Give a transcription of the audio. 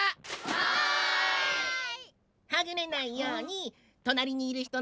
はい！